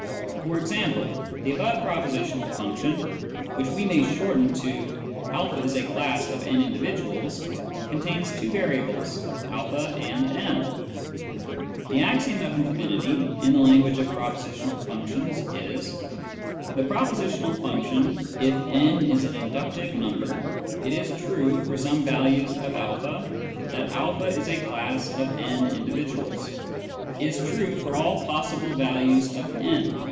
For example, the above propositional function, which we may shorten to " a is a class of n individuals," contains two variables, a and n. The axiom of infinity, in the language of propositional functions, is :" The propositional function ' if n is an inductive number, it is true for some values of a that a is a class of n indi viduals ' is true for all possible values of «."